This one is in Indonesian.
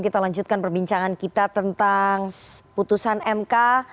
kita lanjutkan perbincangan kita tentang putusan mk